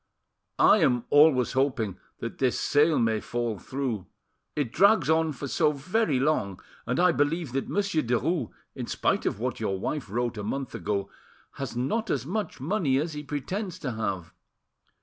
"I am always hoping that this sale may fall through; it drags on for so very long; and I believe that Monsieur Derues, in spite of what your wife wrote a month ago, has not as much money as he pretends to have.